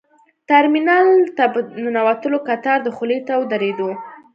ترمینل ته په ننوتلو کتار دخولي ته ودرېدو.